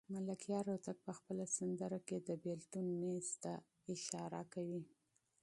ملکیار هوتک په خپله سندره کې د بېلتون نیز ته اشاره کوي.